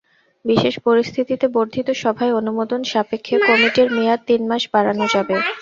বিশেষ পরিস্থিতিতে বর্ধিত সভায় অনুমোদন সাপেক্ষে কমিটির মেয়াদ তিন মাস বাড়ানো যাবে।